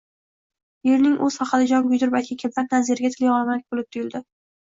Erining o`zi haqida jon kuydirib aytgan gaplari Naziraga tilyog`lamalik bo`lib tuyuldi